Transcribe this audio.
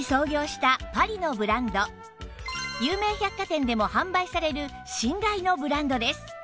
有名百貨店でも販売される信頼のブランドです